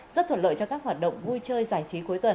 rất thuận lợi cho các hoạt động vui chơi giải trí cuối tuần